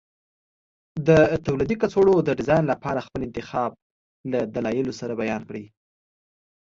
د تولیدي کڅوړو د ډیزاین لپاره خپل انتخاب له دلایلو سره بیان کړئ.